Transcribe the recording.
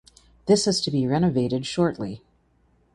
This is to be renovated shortly.